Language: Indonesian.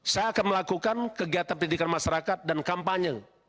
saya akan melakukan kegiatan pendidikan masyarakat dan kampanye